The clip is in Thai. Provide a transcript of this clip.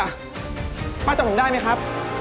ป๊าจริงด้วยป๊าจับหนูได้มั้ยครับ